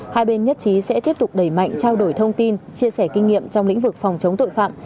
hai bên nhất trí sẽ tiếp tục đẩy mạnh trao đổi thông tin chia sẻ kinh nghiệm trong lĩnh vực phòng chống tội phạm